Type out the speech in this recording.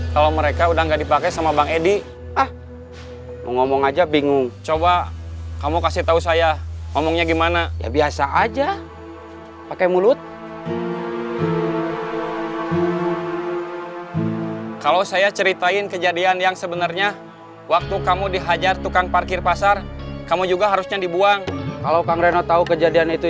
kalau saya makan bubur cuma seperti bikin kotor mulut